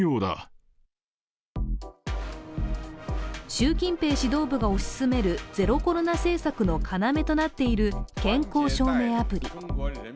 習近平指導部が推し進めるゼロコロナ政策の要となっている健康証明アプリ。